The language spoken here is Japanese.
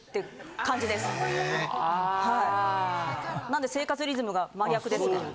なんで生活リズムが真逆ですね。